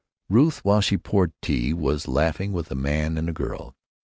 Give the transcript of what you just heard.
Ruth, while she poured tea, was laughing with a man and a girl.